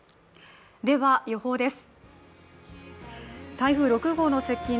では、予報です。